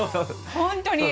本当に。